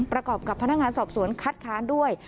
ประกอบกับพนักงานสอบสวนคัดค้านด้วย